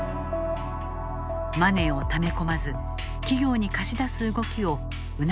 マネーをため込まず企業に貸し出す動きを促すものだ。